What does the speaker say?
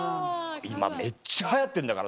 「今めっちゃ流行ってんだから」